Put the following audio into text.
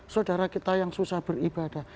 saudara kita yang susah beribadah